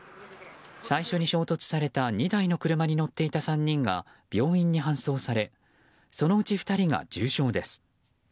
最初に衝突された２台の車に乗っていた３人が病院に搬送されそのうち２人が重傷です。